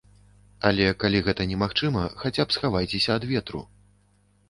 Але, калі гэта немагчыма, хаця б схавайцеся ад ветру.